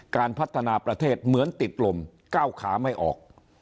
การพัฒนาประเทศเหมือนติดลมก้าวขาไม่ออก